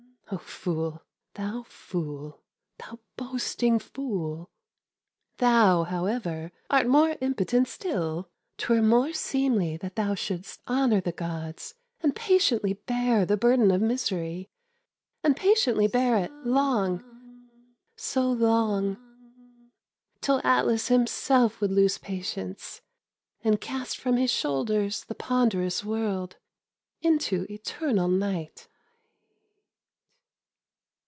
Oh fool, thou fool, thou boasting fool! Thou, however, art more impotent still. 'Twere more seemly that thou shouldst honor the gods, And patiently bear the burden of misery, And patiently bear it, long, so long, Till Atlas himself would lose patience, And cast from his shoulders the ponderous world Into eternal night."